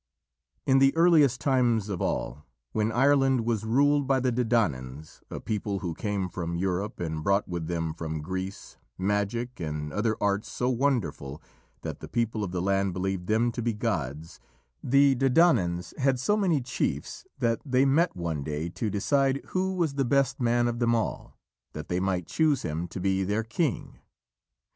In the earliest times of all, when Ireland was ruled by the Dedannans, a people who came from Europe and brought with them from Greece magic and other arts so wonderful that the people of the land believed them to be gods, the Dedannans had so many chiefs that they met one day to decide who was the best man of them all, that they might choose him to be their king.